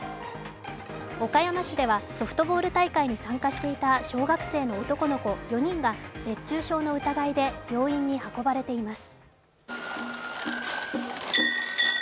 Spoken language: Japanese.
岡山市では、ソフトボール大会に参加していた小学生の男の子４人が熱中症の疑いで病院に運ばれています。